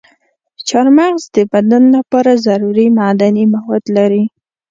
چارمغز د بدن لپاره ضروري معدني مواد لري.